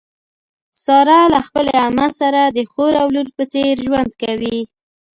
ساره له خپلې عمه سره د خور او لور په څېر ژوند کوي.